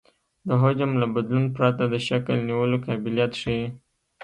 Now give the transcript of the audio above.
د حجم له بدلون پرته د شکل نیولو قابلیت ښیي